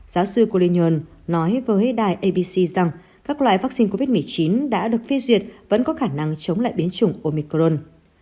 giáo sư kolyon nói với đài abc rằng các loại vaccine covid một mươi chín đã được phê duyệt vẫn có khả năng chống lại biến chủng omicron